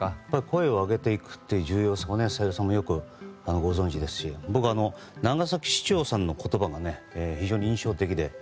声上げていくって重要さは小百合さんも、よくご存じですし僕は長崎市長さんの言葉が非常に印象的で。